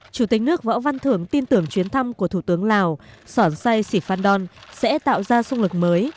chủ tịch nước võ văn thưởng tin tưởng chuyến thăm của thủ tướng lào sỏn say sĩ phan đòn sẽ tạo ra xung lực mới